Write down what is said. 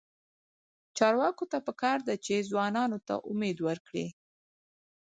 چارواکو ته پکار ده چې، ځوانانو ته امید ورکړي.